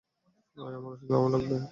আয়, আমার ঔষধ খাওয়া লাগবে।